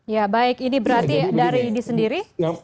ya baik ini berarti dari idi sendiri